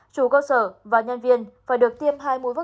chủ cơ sở và nhân viên phải được tiêm hai mũi vaccine phòng covid một mươi chín